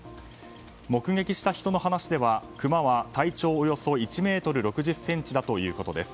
目撃した人の話ではクマは体長およそ１ｍ６０ｃｍだということです。